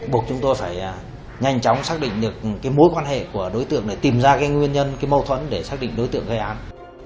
bộc chúng tôi phải nhanh chóng xác định được mối quan hệ của đối tượng để tìm ra nguyên nhân mâu thuẫn để xác định đối tượng gây án